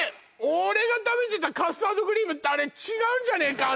俺が食べてたカスタードクリームってあれ違うんじゃねえか？